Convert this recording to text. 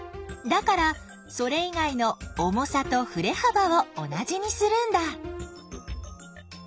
だからそれ以外の重さとふれ幅を同じにするんだ。